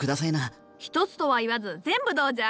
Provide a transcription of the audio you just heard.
一つとは言わず全部どうじゃ？